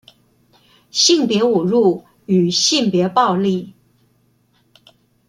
性別侮辱與性別暴力